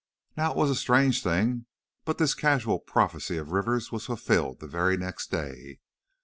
Now it was a strange thing, but this casual prophecy of Rivers' was fulfilled the very next day!